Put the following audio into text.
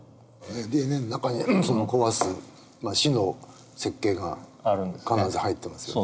ＤＮＡの中にその壊す死の設計が必ず入ってますよね。